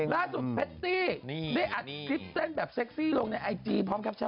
ล่าสุดแพ๊ตตี้ยึดหาโดยตัวเห็นแบบเซกซี่ลงในไอจี